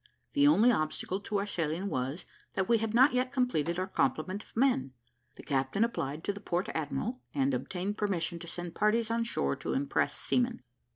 The only obstacle to our sailing was, that we had not yet completed our complement of men. The captain applied to the port admiral, and obtained permission to send parties on shore to impress seamen.